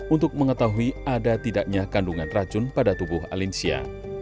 untuk mengetahui ada tidaknya kandungan racun pada tubuh alinsia